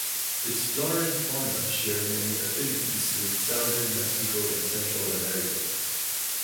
Its flora and fauna share many affinities with southern Mexico and Central America.